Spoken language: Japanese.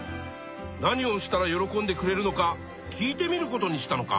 何をしたら喜んでくれるのか聞いてみることにしたのか。